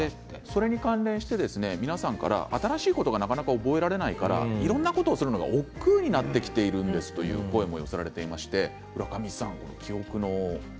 それに関連して皆さんから新しいことが、なかなか覚えられないからいろんなことをするのがおっくうになってきているんですという声も寄せられています。